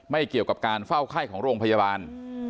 เกี่ยวกับการเฝ้าไข้ของโรงพยาบาล